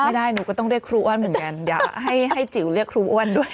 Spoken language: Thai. ไม่ได้หนูก็ต้องเรียกครูอ้วนเหมือนกันอย่าให้จิ๋วเรียกครูอ้วนด้วย